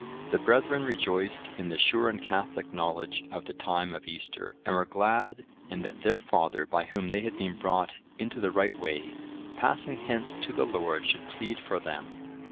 The brethren rejoiced in the sure and catholic knowledge of the time of Easter, and were glad in that their father, by whom they had been brought into the right way, passing hence to the Lord should plead for them.